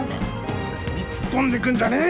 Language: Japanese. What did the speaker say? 首突っ込んでくんじゃねえよ！